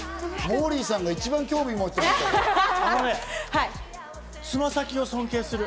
モーリーさんが一番興味持ってる。